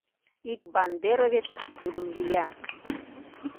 Ик бандеровец тудым лӱя.